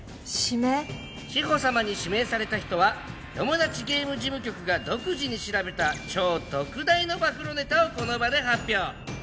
志法様に指名された人はトモダチゲーム事務局が独自に調べた超特大の暴露ネタをこの場で発表。